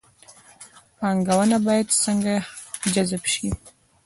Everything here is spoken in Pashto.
پانګونه باید څنګه جذب شي؟